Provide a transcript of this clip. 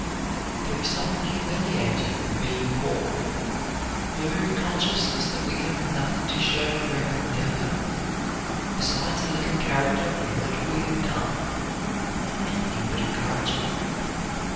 There is something humiliating in being poor. The very consciousness that we have nothing to show for our endeavor besides a little character and the little we have done, is anything but encouraging.